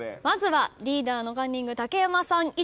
まずはリーダーのカンニング竹山さん